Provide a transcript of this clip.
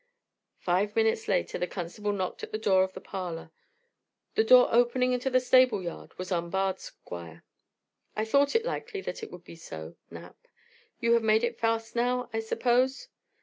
Five minutes later the constable knocked at the door of the parlor. "The door opening into the stable yard was unbarred, Squire." "I thought it likely that it would be so, Knapp. You have made it fast now, I suppose?